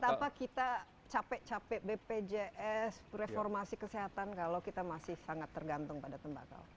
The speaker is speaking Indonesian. betapa kita capek capek bpjs reformasi kesehatan kalau kita masih sangat tergantung pada tembakau